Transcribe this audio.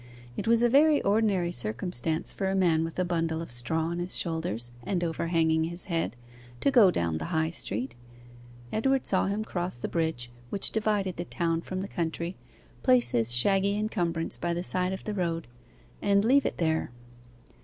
It was a very ordinary circumstance for a man with a bundle of straw on his shoulders and overhanging his head, to go down the High Street. Edward saw him cross the bridge which divided the town from the country, place his shaggy encumbrance by the side of the road, and leave it there.